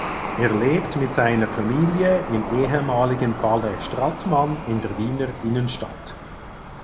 Er lebt mit seiner Familie im ehemaligen Palais Strattmann in der Wiener Innenstadt.